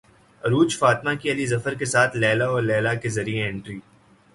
عروج فاطمہ کی علی ظفر کے ساتھ لیلی او لیلی کے ذریعے انٹری